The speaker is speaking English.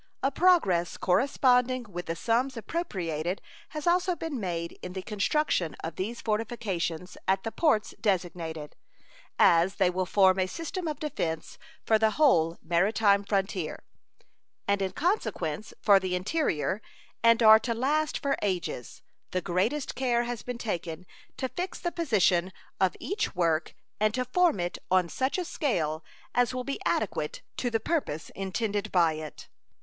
A progress corresponding with the sums appropriated has also been made in the construction of these fortifications at the ports designated. As they will form a system of defense for the whole maritime frontier, and in consequence for the interior, and are to last for ages, the greatest care has been taken to fix the position of each work and to form it on such a scale as will be adequate to the purpose intended by it.